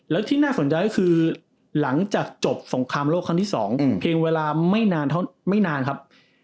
แล้วที่น่าสนใจก็คือหลังจากจบสงครามโลกครั้งที่๒เพียงเวลาไม่นานไม่นานครับ